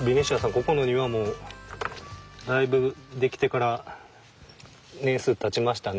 ここの庭もだいぶ出来てから年数たちましたね。